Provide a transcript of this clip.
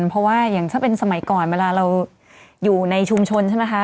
เพราะว่าอย่างถ้าเป็นสมัยก่อนเวลาเราอยู่ในชุมชนใช่ไหมคะ